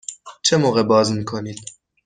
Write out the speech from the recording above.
چه موقع باز می کنید؟